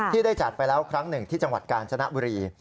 ได้จัดไปแล้วครั้งหนึ่งที่จังหวัดกาญจนบุรี